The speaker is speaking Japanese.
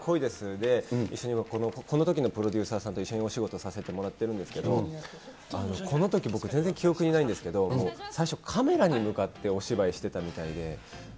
で、このときのプロデューサーさんと一緒にお仕事させてもらってるんですけど、このとき、僕、全然記憶にないんですけど、最初、カメラに向かってお芝居してたみたいで。